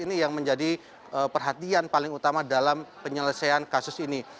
ini yang menjadi perhatian paling utama dalam penyelesaian kasus ini